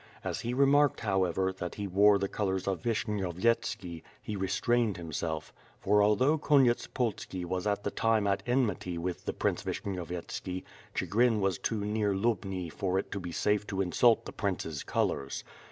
As he remarked, however, that he wore the colors of Vishnyovyetski he restrained himself; for although Konyetspolski was at the time at enmity with the Prince Vishnyovyetski, Chigrin was too near Lubni for it to be safe to insult the Prince's colors.